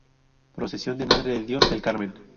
Procesión de Madre de Dios del Carmen.